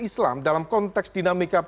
islam dalam konteks dinamika